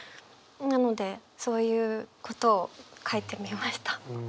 なのでそういうことを書いてみました。